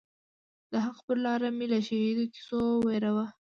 د حق پر لار می له شهیدو کیسو مه وېروه